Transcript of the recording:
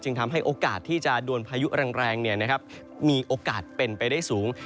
ทำให้โอกาสที่จะโดนพายุแรงมีโอกาสเป็นไปได้สูง